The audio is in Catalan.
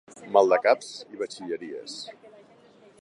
Maldecaps i batxilleries.